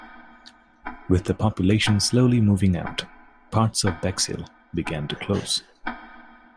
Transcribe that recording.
With the population slowly moving out, parts of Bexhill began to close.